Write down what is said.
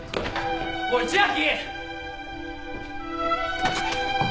おい千秋！